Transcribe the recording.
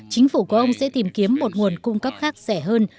chính phủ của ông sẽ tìm kiếm một nguồn cung cấp khác rẻ hơn